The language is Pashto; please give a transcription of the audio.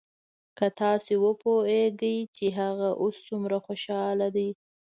که تاسو وپويېګئ چې هغه اوس سومره خوشاله دى.